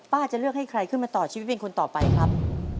จะเลือกให้ใครขึ้นมาต่อชีวิตเป็นคนต่อไปครับ